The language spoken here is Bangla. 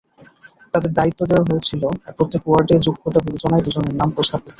তাঁদের দায়িত্ব দেওয়া হয়েছিল প্রত্যেক ওয়ার্ডে যোগ্যতা বিবেচনায় দুজনের নাম প্রস্তাব করতে।